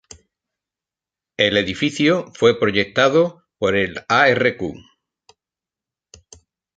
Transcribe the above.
El edificio fue proyectado por el Arq.